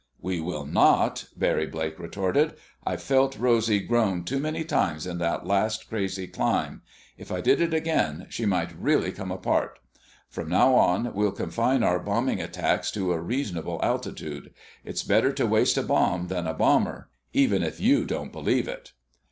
"We will not!" Barry Blake retorted. "I felt Rosy groan too many times in that last crazy climb. If I did it again she might really come apart. From now on we'll confine our bombing attacks to a reasonable altitude. It's better to waste a bomb than a bomber, even if you don't believe it."